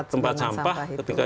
tempat sampah ketika